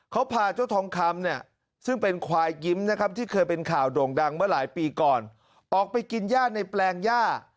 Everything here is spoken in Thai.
เขาพาเจ้าทองคำเนี่ยซึ่งเป็นควายยิ้มนะครับที่เคยเป็นข่าวโด่งดังเมื่อหลายปีก่อนออกไปกินย่าในแปลงย่า